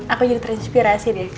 aku jadi transpirasi deh